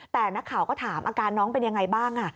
แต่นักข่าวก็ถามอาการน้องเป็นยังไงบ้าง